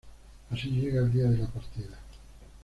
Así llega el día de la partida.